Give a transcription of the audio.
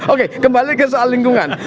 oke kembali ke soal lingkungan